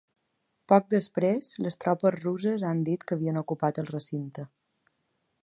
Poc després, les tropes russes han dit que havien ocupat el recinte.